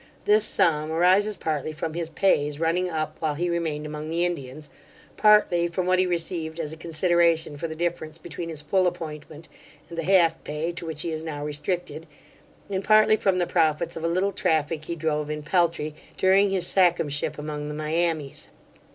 This sum arises partly from his pay's running up while he remained among the Indians; partly from what he received as a consideration for the difference between his full appointment and the half pay, to which he is now restricted; and partly from the profits of a little traffick he drove in peltry, during his sachemship among the Miamis.